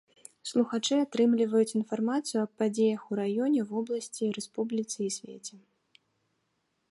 Слухачы атрымліваюць інфармацыю аб падзеях у раёне, вобласці, рэспубліцы і свеце.